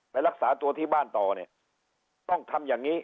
รักษาตัวที่บ้านต่อเนี่ยต้องทำอย่างนี้